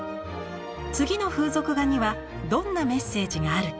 次の風俗画にはどんなメッセージがあるか？